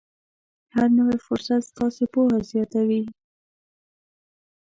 هر نوی فرصت ستاسې پوهه زیاتوي.